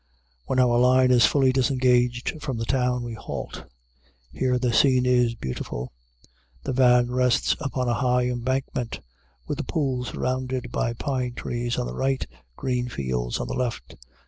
When our line is fully disengaged from the town, we halt. Here the scene is beautiful. The van rests upon a high embankment, with a pool surrounded by pine trees on the right, green fields on the left.